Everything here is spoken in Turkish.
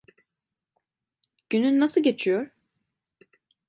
Günün nasıl geçiyor?